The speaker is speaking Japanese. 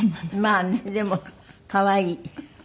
まあねでも可愛い。